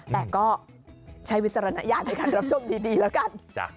แต่ก็ใช้วิจารณญาณในการรับชมดีแล้วกัน